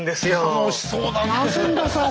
楽しそうだなあ千田さん。